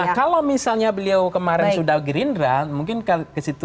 nah kalau misalnya beliau kemarin sudah gerindra mungkin ke situ